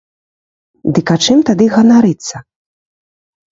Дык а чым тады ганарыцца?